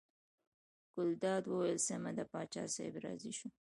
ګلداد وویل سمه ده پاچا صاحب راضي شو.